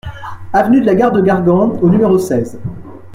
Avenue de la Gare de Gargan au numéro seize